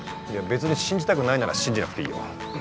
別に信じたくないなら信じなくていいよ。